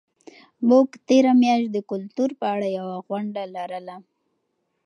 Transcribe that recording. موږ تېره میاشت د کلتور په اړه یوه غونډه لرله.